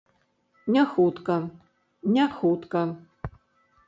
Не хутка, не хутка.